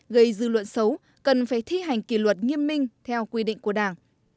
gây dư luận xấu cần phải thi hành kỷ luật nghiêm minh theo quy định của đảng